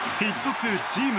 数チーム